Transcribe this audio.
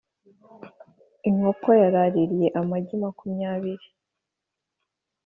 Inkoko yaraririye amagi makumyabiri